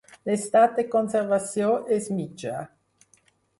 L'estat de conservació és mitjà.